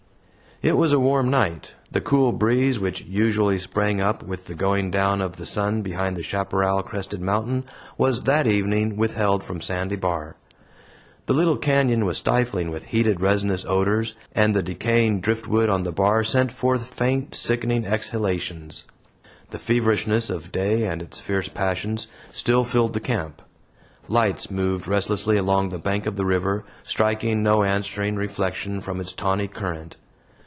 It was a warm night. The cool breeze which usually sprang up with the going down of the sun behind the chaparral crested mountain was that evening withheld from Sandy Bar. The little canyon was stifling with heated resinous odors, and the decaying driftwood on the Bar sent forth faint, sickening exhalations. The feverishness of day, and its fierce passions, still filled the camp. Lights moved restlessly along the bank of the river, striking no answering reflection from its tawny current.